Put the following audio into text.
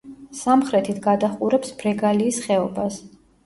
სამხრეთით გადაჰყურებს ბრეგალიის ხეობას.